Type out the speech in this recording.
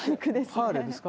ハーレーですか？